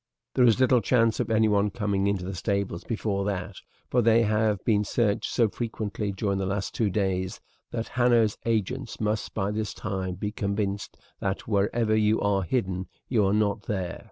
There is little chance of anyone coming into the stables before that, for they have been searched so frequently during the last two days that Hanno's agents must by this time be convinced that wherever you are hidden you are not there.